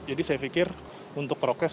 jadi saya pikir untuk prokes